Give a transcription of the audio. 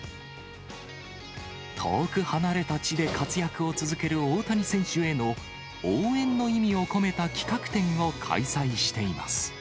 遠く離れた地で活躍を続ける大谷選手への応援の意味を込めた企画展を開催しています。